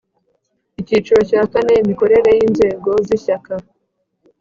Icyiciro cya kane Imikorere y’inzego z‘Ishyaka